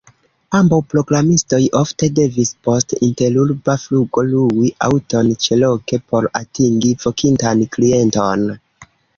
Ambaŭ programistoj ofte devis post interurba flugo lui aŭton ĉeloke por atingi vokintan klienton.